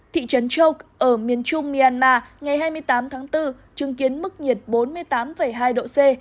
thị trấn châu ở miền trung myanmar ngày hai mươi tám tháng bốn chứng kiến mức nhiệt bốn mươi tám hai độ c